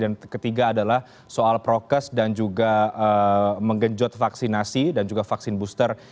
dan ketiga adalah soal prokes dan juga menggejot vaksinasi dan juga vaksin booster